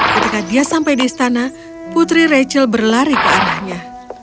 ketika dia sampai di istana putri rachel berlari ke arahnya